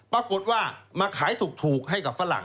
ปรากฏว่ามาขายถูกให้กับฝรั่ง